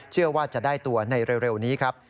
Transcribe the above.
เชื่อว่าจะได้ตัวในเร็วนี้ครับ